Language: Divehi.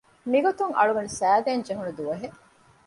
މިގޮތުން އަޅުގަނޑު ސައިދޭންޖެހުނު ދުވަހެއް